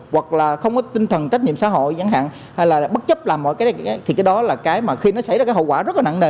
hoặc là không có tinh thần trách nhiệm xã hội chẳng hạn hay là bất chấp làm mọi cái đấy thì cái đó là cái mà khi nó xảy ra cái hậu quả rất là nặng nề